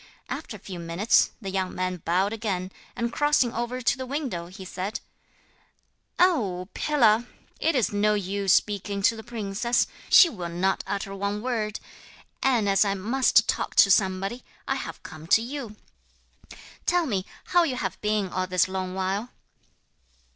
After a few minutes the young man bowed again, and crossing over to the window, he said: 'Oh, pillar! it is no use speaking to the princess, she will not utter one word; and as I must talk to somebody, I have come to you. Tell me how you have been all this long while?'